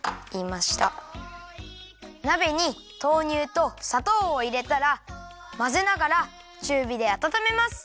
なべに豆乳とさとうをいれたらまぜながらちゅうびであたためます。